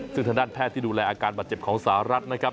ซึ่งทางด้านแพทย์ที่ดูแลอาการบาดเจ็บของสหรัฐนะครับ